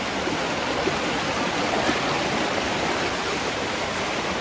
เมื่อเวลาอันดับสุดท้ายจะมีเวลาอันดับสุดท้ายมากกว่า